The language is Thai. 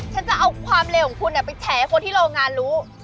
ฉันจะเอาความเลวของคุณไปแฉให้คนที่โรงงานรู้